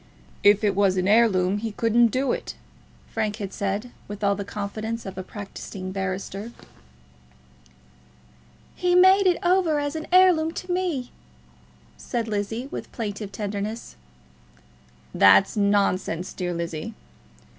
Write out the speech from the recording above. "If it was an heirloom he couldn't do it," Frank had said, with all the confidence of a practising barrister. "He made it over as an heirloom to me," said Lizzie, with plaintive tenderness. "That's nonsense, dear Lizzie."